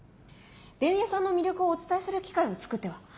伝弥さんの魅力をお伝えする機会をつくっては？